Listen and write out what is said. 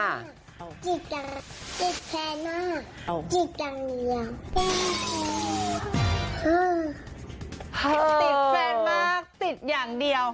ติดแฟนมากติดอย่างเดียว